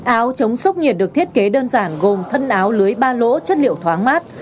áo chống sốc nhiệt được thiết kế đơn giản gồm thân áo lưới ba lỗ chất liệu thoáng mát